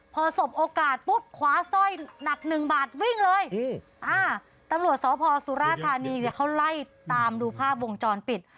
พอสบโอกาสปุ๊บคว้าสร้อยหนักหนึ่งบาทวิ่งเลยตำรวจสพสุราธานีเนี่ยเขาไล่ตามดูภาพวงจรปิด